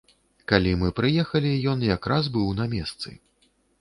Калі мы прыехалі, ён якраз быў на месцы.